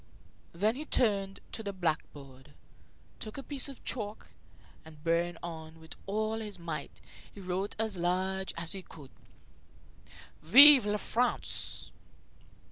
Then he turned to the blackboard, took a piece of chalk, and, bearing on with all his might, he wrote as large as he could: "Vive La France!"